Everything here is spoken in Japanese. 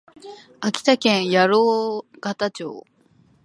秋田県八郎潟町